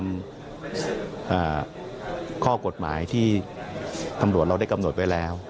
เดี๋ยวท่านก็ช่วยกระจายข่าวด้วยว่าขอให้มามอบตัว